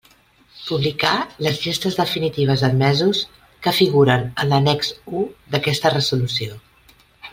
Publicar les llistes definitives d'admesos que figuren en l'annex u d'aquesta resolució.